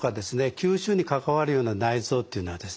吸収に関わるような内臓というのはですね